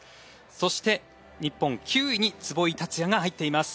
そして日本９位に壷井達也が入っています。